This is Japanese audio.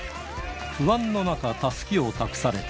不安の中、たすきを託された。